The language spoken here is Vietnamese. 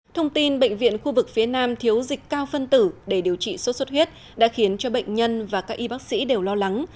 thông tin bệnh viện khu vực phía nam thiếu dịch cao phân tử để điều trị sốt xuất huyết đã khiến cho bệnh nhân và các y bác sĩ đều lo lắng